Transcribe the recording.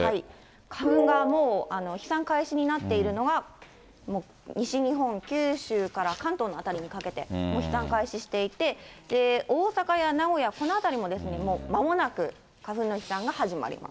花粉がもう飛散開始になっているのは、西日本、九州から関東の辺りにかけて、もう飛散開始していて、大阪や名古屋、この辺りももうまもなく花粉の飛散が始まります。